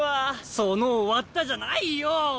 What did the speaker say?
その「終わった」じゃないよ！